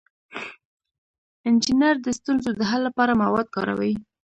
انجینر د ستونزو د حل لپاره مواد کاروي.